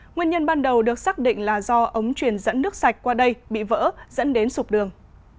nguyên nhân ban đầu được xác định là do ống truyền dẫn nước sạch qua đây bị vỡ dẫn đến sụp đường